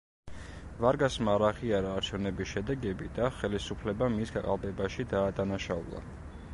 ვარგასმა არ აღიარა არჩევნების შედეგები და ხელისუფლება მის გაყალბებაში დაადანაშაულა.